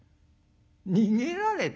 「逃げられた？」。